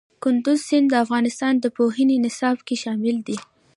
کندز سیند د افغانستان د پوهنې نصاب کې شامل دي.